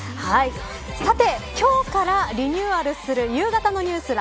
さて今日からリニューアルする夕方のニュース